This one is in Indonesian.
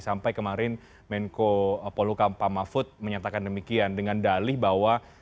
sampai kemarin menko poluka pamafut menyatakan demikian dengan dalih bahwa